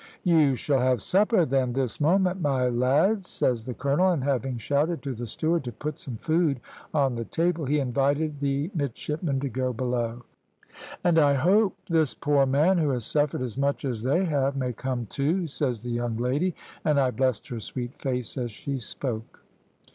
"`You shall have supper, then, this moment, my lads,' says the colonel, and having shouted to the steward to put some food on the table, he invited the midshipmen to go below. "`And I hope this poor man, who has suffered as much as they have, may come too,' says the young lady, and I blessed her sweet face as she spoke.